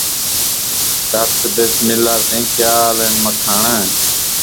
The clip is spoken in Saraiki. ٻوہل ݙے ، ناں تاں جھڳے کوں بھاء لیندائیں